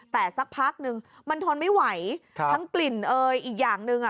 แต่สักพักนึงมันทนไม่ไหวทั้งกลิ่นเอยอีกอย่างหนึ่งอ่ะ